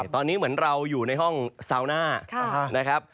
ตอนนี้เหมือนเราอยู่ในห้องซาวน่านะครับ